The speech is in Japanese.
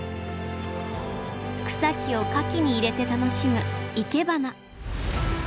草木を花器に入れて楽しむいけばな。